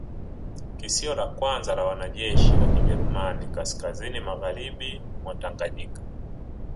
Kisio la kwanza la mwanajeshi wa Kijerumani kaskazini magharibi mwa Tanganyika